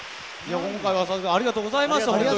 今回は、佐々木さんありがとうございました。